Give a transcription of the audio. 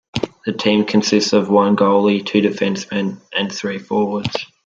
The team consists of one goalie, two defensemen and three forwards.